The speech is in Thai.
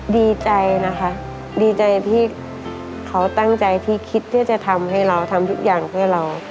ดีใจนะคะดีใจที่เขาตั้งใจที่คิดที่จะทำให้เราทำทุกอย่างเพื่อเรา